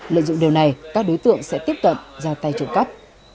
lợi dụng điều này các đối tượng sẽ tiếp cận ra tay trộm cắp